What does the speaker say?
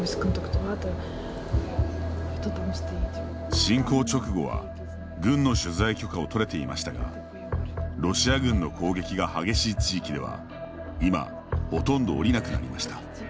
侵攻直後は、軍の取材許可をとれていましたがロシア軍の攻撃が激しい地域では今、ほとんど下りなくなりました。